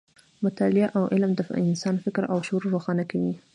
مطالعه او علم د انسان فکر او شعور روښانه کوي.